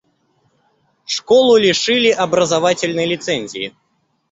Школу лишили образовательной лицензии.